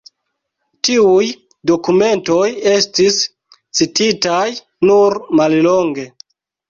Tiuj dokumentoj estis cititaj nur mallonge.